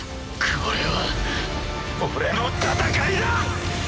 これは俺の戦いだ！